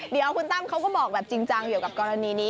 เดี๋ยวคุณตั้มเขาก็บอกแบบจริงจังเกี่ยวกับกรณีนี้